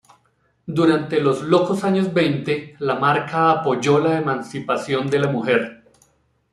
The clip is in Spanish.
Durante los "locos años veinte", la marca apoyó la emancipación de la mujer.